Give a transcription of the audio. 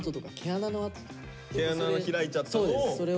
毛穴の開いちゃったのを。